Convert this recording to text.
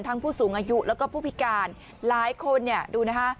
ผู้สูงอายุแล้วก็ผู้พิการหลายคนเนี่ยดูนะคะ